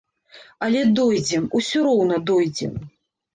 Але дойдзем, усё роўна дойдзем!